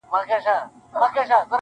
که یې ځای وو لویي وني په ځنګلوکي -